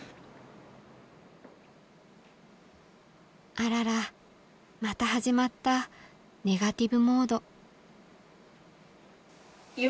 あららまた始まったネガティブモード。